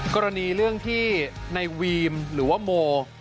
กรณีเรื่องที่ในวีมหรือว่าโม